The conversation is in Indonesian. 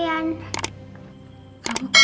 yang mandi mah susah makan